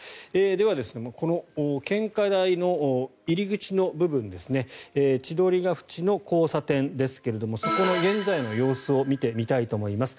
では、この献花台の入り口の部分千鳥ヶ淵の交差点ですがそこの現在の様子を見てみたいと思います。